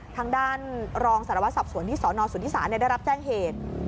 ทางด้านรองสารวัตรสอบสวนที่สนสุธิศาได้รับแจ้งเหตุ